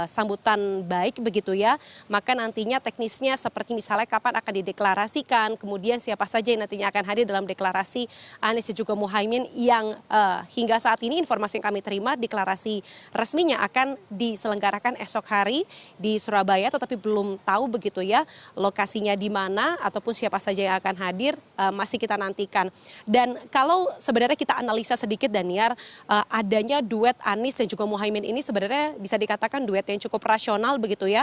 dan kalau kita analisa sedikit daniar adanya duet anies dan juga mohaimin ini sebenarnya bisa dikatakan duet yang cukup ramai